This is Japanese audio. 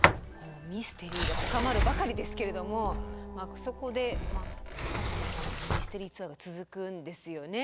ミステリーが深まるばかりですけれどもそこではしのさんのミステリーツアーが続くんですよね。